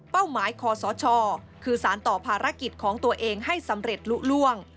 หมายคอสชคือสารต่อภารกิจของตัวเองให้สำเร็จลุล่วง